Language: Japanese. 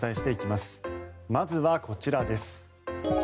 まずはこちらです。